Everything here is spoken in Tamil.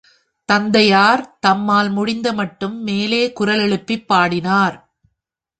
தந்தையார் தம்மால் முடிந்த மட்டும் மேலே குரலெழுப்பிப் பாடினார்.